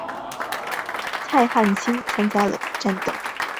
蔡汉卿参加了战斗。